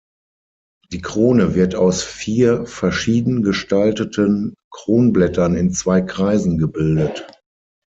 Die Krone wird aus vier verschieden gestalteten Kronblättern in zwei Kreisen gebildet.